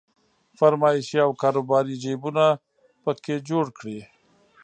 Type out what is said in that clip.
فرمایشي او کاروباري جيبونه په کې جوړ کړي.